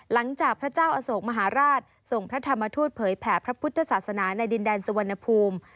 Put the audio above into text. หลังจากพระเจ้าอโศกมหาราชส่งพระธรรมทูตเผยแผ่พระพุทธศาสนาในดินแดนสุวรรณภูมิ